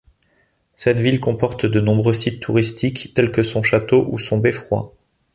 Cette ville comporte de nombreux sites touristiques, tels que son château ou son beffroi.